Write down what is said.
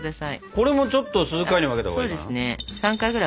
これもちょっと数回に分けたほうがいいかな。